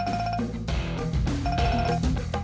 saya akan hubungi siapa